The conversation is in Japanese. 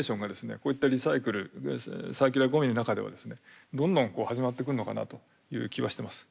こういったリサイクルサーキュラーエコノミーの中ではですねどんどん始まってくるのかなという気はしてます。